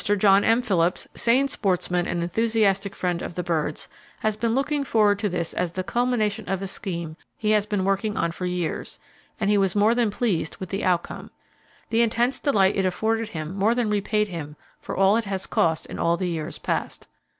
John M. Phillips, sane sportsman and enthusiastic friend of the birds, has been looking forward to this as the culmination of a scheme he has been working on for years, and he was more than pleased with the outcome. The intense delight it afforded him more than repaid him for all it has cost in all the years past.